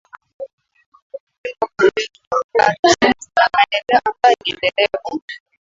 nyuma kwa hiyo tutakuwa hatusemi tuna maendeleo ambayo ni endelevu